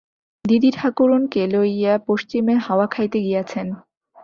দিদিঠাকরুনকে লইয়া পশ্চিমে হাওয়া খাইতে গিয়াছেন।